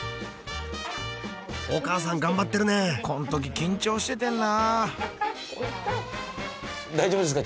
お母さん頑張ってるねこのとき緊張しててんなあ大丈夫ですか？